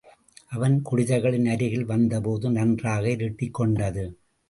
அவன் குடிசைகளின் அருகில் வந்தபோது, நன்றாக இருட்டிக்கொண்டது.